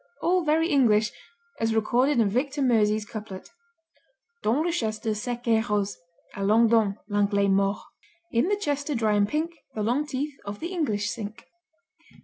All very English, as recorded in Victor Meusy's couplet: Dans le Chester sec et rose A longues dents, l'Anglais mord. In the Chester dry and pink The long teeth of the English sink.